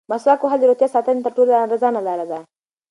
مسواک وهل د روغتیا ساتنې تر ټولو ارزانه لاره ده.